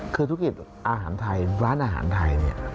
คือธุรกิจอาหารไทยร้านอาหารไทยเนี่ย